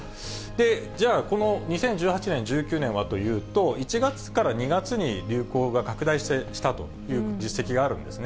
じゃあ、この２０１８年、１９年はというと、１月から２月に流行が拡大したという実績があるんですね。